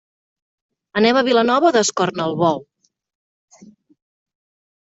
Anem a Vilanova d'Escornalbou.